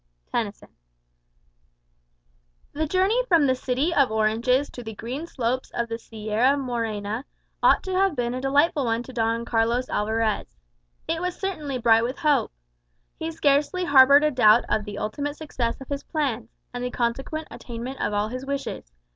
Tennyson The journey from the city of oranges to the green slopes of the Sierra Morena ought to have been a delightful one to Don Carlos Alvarez. It was certainly bright with hope. He scarcely harboured a doubt of the ultimate success of his plans, and the consequent attainment of all his wishes.